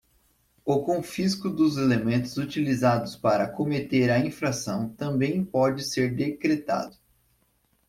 O confisco dos elementos utilizados para cometer a infração também pode ser decretado.